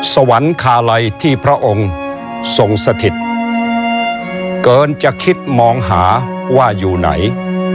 สวรรคาลัยที่พระองค์ทรงสถิตเกินจะคิดมองหาว่าอยู่ไหน